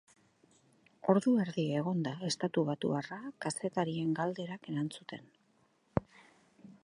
Ordu erdi egon da estatubatuarra kazetarien galderak erantzuten.